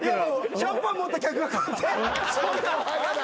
シャンパン持った客がこうやって。